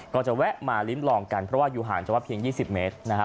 ก็จะแวะมาลิ้มลองกันเพราะว่าอยู่ห่างจากวัดเพียง๒๐เมตรนะฮะ